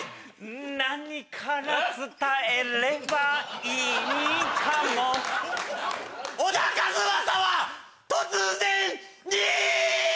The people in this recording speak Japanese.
何から伝えればいいかも小田和正は突然に！